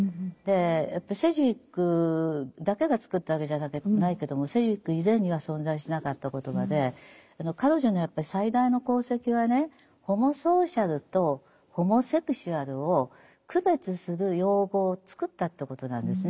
やっぱりセジウィックだけが作ったわけじゃないけどもセジウィック以前には存在しなかった言葉で彼女のやっぱり最大の功績はねホモソーシャルとホモセクシュアルを区別する用語を作ったということなんですね。